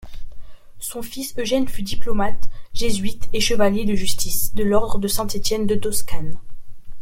Son fils Eugène fut diplomate, jésuite et chevalier de justice de l'ordre de Saint-Étienne-de-Toscane.